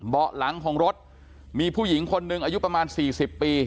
เบาะหลังของรถมีผู้หญิงคนหนึ่งอายุประมาณ๔๐ปี